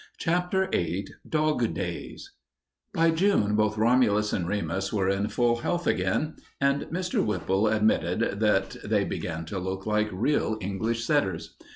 CHAPTER VIII DOG DAYS By June both Romulus and Remus were in full health again and Mr. Whipple admitted that they began to look like real English setters.